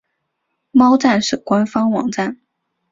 猫战士官方网站